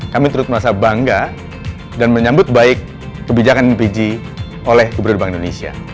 kami turut merasa bangga dan menyambut baik kebijakan lpg oleh gubernur bank indonesia